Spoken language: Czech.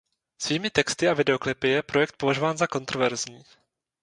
Svými texty a videoklipy je projekt považován za kontroverzní.